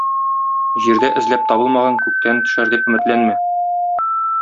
Җирдә эзләп табылмаган күктән төшәр дип өметләнмә.